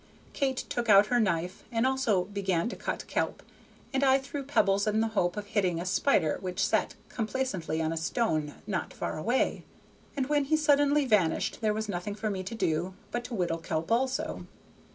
Kate took out her knife and also began to cut kelp, and I threw pebbles in the hope of hitting a spider which sat complacently on a stone not far away, and when he suddenly vanished there was nothing for me to do but to whittle kelp also.